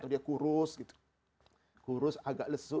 dia kurus agak lesu